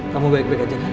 kamu baik baik aja nek